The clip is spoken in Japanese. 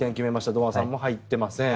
堂安さんも入っていません。